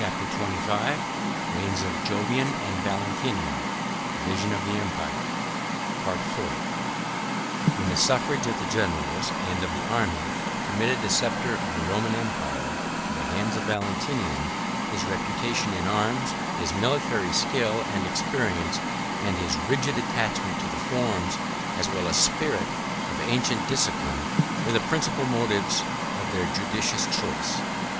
] Chapter XXV: Reigns Of Jovian And Valentinian, Division Of The Empire.—Part IV. When the suffrage of the generals and of the army committed the sceptre of the Roman empire to the hands of Valentinian, his reputation in arms, his military skill and experience, and his rigid attachment to the forms, as well as spirit, of ancient discipline, were the principal motives of their judicious choice.